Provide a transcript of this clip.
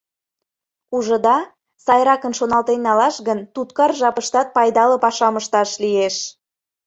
Ужыда, сайракын шоналтен налаш гын, туткар жапыштат пайдале пашам ышташ лиеш.